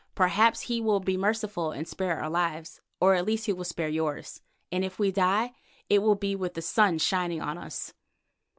Perhaps he will be merciful and spare our lives, or at least he will spare yours, and if we die, it will be with the sun shining on us."